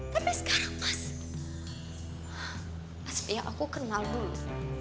tapi sekarang mas mas biar aku kenal dulu